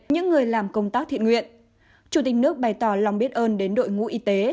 những người làm công tác thiện nguyện chủ tịch nước bày tỏ lòng biết ơn đến đội ngũ y tế